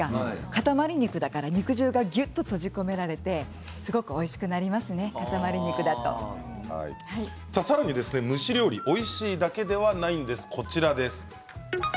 かたまり肉だから肉汁がぎゅっと閉じ込められてすごくおいしくなりますねさらに蒸し料理おいしいだけではないんです。